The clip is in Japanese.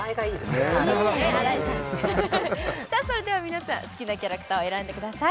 ねっ「アラジン」さあそれでは皆さん好きなキャラクターを選んでください